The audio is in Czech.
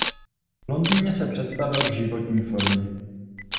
V Londýně se představil v životní formě.